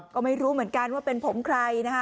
ก็ไม่รู้เหมือนกันว่าเป็นผมใครนะคะ